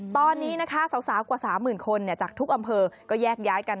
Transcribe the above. ตอนนี้นะคะสาวกว่า๓๐๐๐คนจากทุกอำเภอก็แยกย้ายกัน